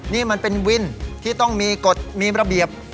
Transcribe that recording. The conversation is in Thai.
นี่มันเป็นวินที่ต้องมีกฎมีระเบียบ